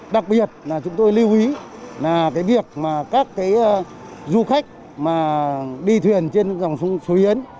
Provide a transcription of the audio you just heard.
đặc biệt chúng tôi lưu ý việc các du khách đi thuyền trên dòng xuôi yến